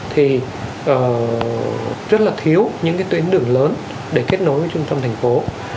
thì rất là thiếu những cái tuyến đường lớn để kết nối với trung tâm thành phố